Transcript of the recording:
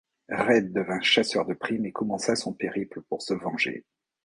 Red devint chasseur de prime et commença son périple pour se venger.